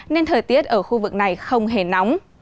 nên thời tiết ở khu vực này không hề nóng